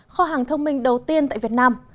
kho hàng thông minh đầu tiên tại việt nam